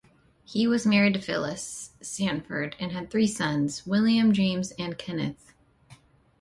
He was married to Phyllis Sanford, and had three sons: William, James and Kenneth.